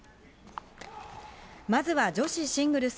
まずは女子シングルス。